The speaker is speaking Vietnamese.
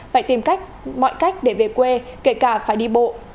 phải tìm cách mọi cách để về quê kể cả phải đi bộ